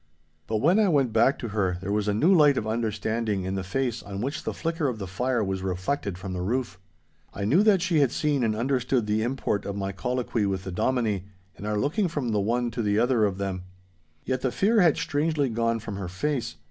But when I went back to her, there was a new light of understanding in the face on which the flicker of the fire was reflected from the roof. I knew that she had seen and understood the import of my colloquy with the Dominie, and our looking from the one to the other of them. Yet the fear had strangely gone from her face.